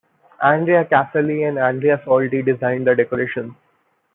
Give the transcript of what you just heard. Andrea Casali and Andrea Soldi designed the decorations.